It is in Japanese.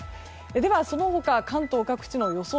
ではその他、関東各地の予想